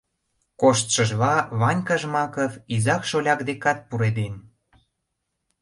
Коштшыжла, Ванька Жмаков изак-шоляк декат пуреден.